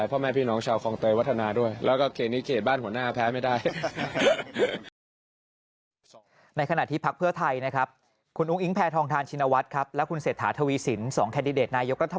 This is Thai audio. พ่อแม่พี่น้องชาวครองเถอยวัฒนาด้วย